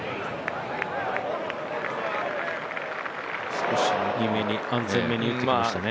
少し右めに、安全めに打ってきましたね。